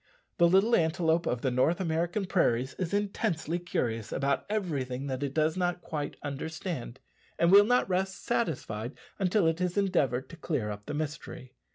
The little antelope of the North American prairies is intensely curious about everything that it does not quite understand, and will not rest satisfied until it has endeavoured to clear up the mystery.